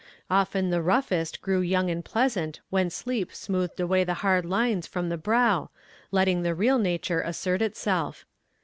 Often the roughest grew young and pleasant when sleep smoothed away the hard lines from the brow, letting the real nature assert itself.